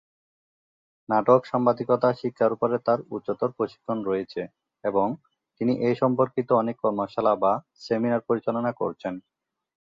নাটক, সাংবাদিকতা, শিক্ষার উপরে তার উচ্চতর প্রশিক্ষণ রয়েছে এবং তিনি এ সম্পর্কিত অনেক কর্মশালা বা সেমিনার পরিচালনা করছেন।